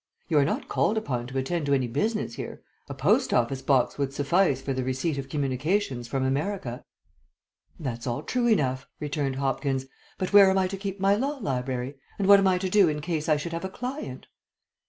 "You are not called upon to attend to any business here. A post office box would suffice for the receipt of communications from America." "That's all true enough," returned Hopkins, "but where am I to keep my law library? And what am I to do in case I should have a client?"